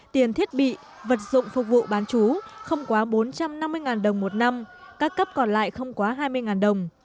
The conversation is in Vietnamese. tiền thiết bị vật dụng phục vụ bán chú không quá bốn trăm năm mươi đồng một năm các cấp còn lại không quá hai mươi đồng